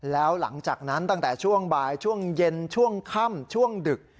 แล้วหลังจากนั้นตั้งแต่ช่วงบ่ายช่วงเย็นช่วงค่ำช่วงดึก